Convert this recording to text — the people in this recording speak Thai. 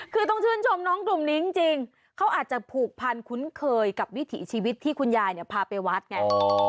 คือต้องชื่นชมน้องกลุ่มนี้จริงเขาอาจจะผูกพันคุ้นเคยกับวิถีชีวิตที่คุณยายเนี่ยพาไปวัดไง